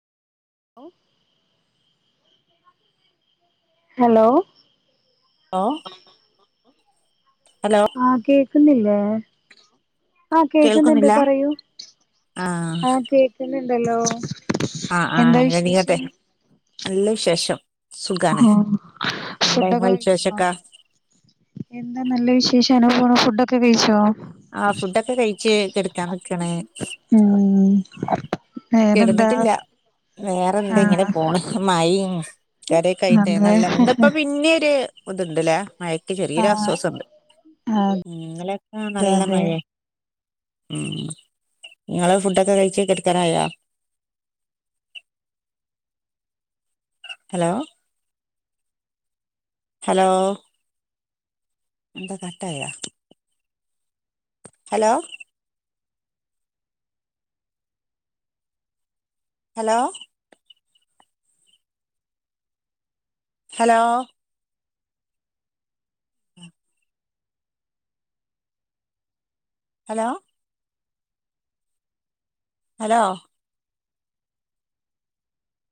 Hello ഓഹ് hello ആഹ് കേക്കുന്നില്ലേ ആഹ് കേക്ക്ന്ന്ണ്ട് കേൾക്കുന്നില്ല പറയൂ ആഹ് കേക്ക്ന്ന്ണ്ടല്ലോ. ആഹ് ആഹ് എന്താ എഴുന്നേക്കട്ടെ വിശേഷം? നല്ല വിശേഷം സുഖാണ് ഉം എന്താ ഇങ്ങളെ ഫുഡൊക്കെ കഴ്ച്ചോ? വിശേഷൊക്കെ എന്താ നല്ല വിശേഷം അങ്ങനെ പോണു ഫുഡൊക്കെ കഴിച്ചോ? ആഹ് ഫുഡൊക്കെ കഴ്ച്ച് കെട്ക്കാൻ നിക്കാണ്. ഉം വേറെന്താ വേറെ എന്ത് ഇങ്ങനെ ആഹ് പോണ് മഴയും കരൊക്കായിട് അതെ നല്ല ഇന്നിപ്പോ പിന്നൊരു ഇപ്പം ഇതിണ്ടിലെ മയക്ക് ചെറിയോര് ആഹ് ആസ്വാസം ഒണ്ട് അതെ ഇന്നലെ ഒക്കെ നല്ല അതെ മയെ ഉം ഇങ്ങെൾ ഫുഡൊക്കെ കഴിച്ച് കെട്ക്കാനായോ? ഹലോ ഹലോ എന്താ കട്ടായാ? Hello hello hello hello hello